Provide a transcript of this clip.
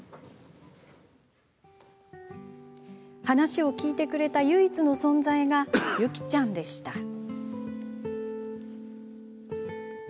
話を聞いてくれた唯一の存在がユキちゃんでした。